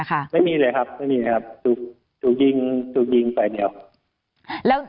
ไม่มีเลยครับถูกยิงไปเดียว